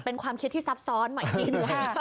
เป็นความคิดที่ซับซ้อนหมายถึง